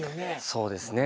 そうですね。